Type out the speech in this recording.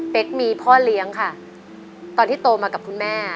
เป็นพ่อเลี้ยงค่ะตอนที่โตมากับคุณแม่